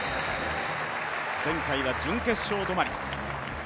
前回は準決勝止まり。